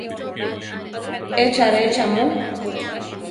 ¿Echáre cha mu?